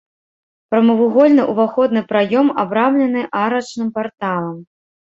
Прамавугольны ўваходны праём абрамлены арачным парталам.